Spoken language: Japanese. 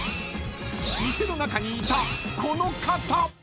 ［店の中にいたこの方！］